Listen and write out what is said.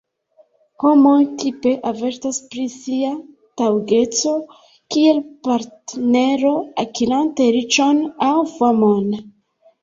Homoj tipe avertas pri sia taŭgeco kiel partnero akirante riĉon aŭ famon.